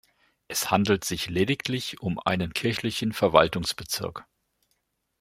Es handelt sich lediglich um einen kirchlichen Verwaltungsbezirk.